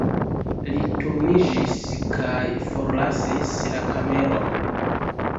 Li turniĝis kaj forlasis la kameron.